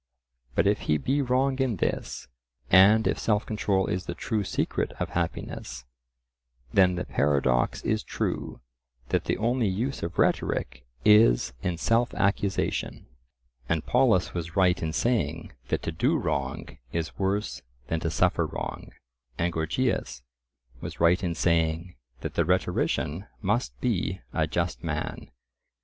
But if he be wrong in this, and if self control is the true secret of happiness, then the paradox is true that the only use of rhetoric is in self accusation, and Polus was right in saying that to do wrong is worse than to suffer wrong, and Gorgias was right in saying that the rhetorician must be a just man.